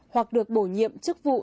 hoặc được bổ nhiệm chức vụ